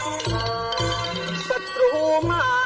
ถึงแม้จะสิ้นเป็นศพ